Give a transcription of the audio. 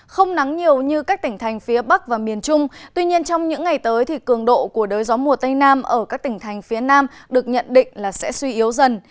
không nắng nhiều như các tỉnh thành phía bắc và miền trung tuy nhiên trong những ngày tới thì cường độ của đới gió mùa tây nam ở các tỉnh thành phía nam được nhận định là sẽ suy yếu dần